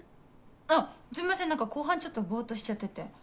あっすいません何か後半ちょっとぼっとしちゃってて。